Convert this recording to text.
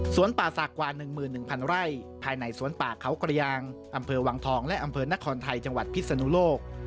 ป่าศักดิ์กว่า๑๑๐๐ไร่ภายในสวนป่าเขากระยางอำเภอวังทองและอำเภอนครไทยจังหวัดพิศนุโลก